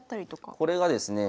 これがですねえ